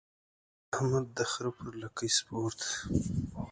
احمد د خره پر لکۍ سپور دی.